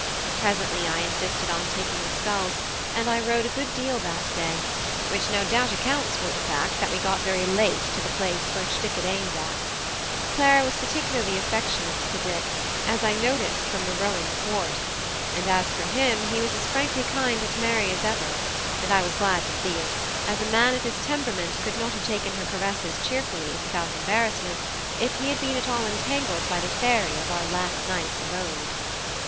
Presently I insisted on taking the sculls, and I rowed a good deal that day; which no doubt accounts for the fact that we got very late to the place which Dick had aimed at. Clara was particularly affectionate to Dick, as I noticed from the rowing thwart; but as for him, he was as frankly kind and merry as ever; and I was glad to see it, as a man of his temperament could not have taken her caresses cheerfully and without embarrassment if he had been at all entangled by the fairy of our last night's abode.